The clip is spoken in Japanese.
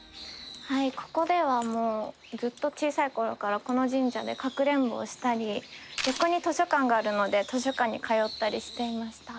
ここではもうずっと小さい頃からこの神社でかくれんぼをしたり横に図書館があるので図書館に通ったりしていました。